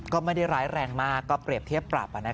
ก็ไม่ได้ร้ายแรงมากก็เปรียบเทียบปรับ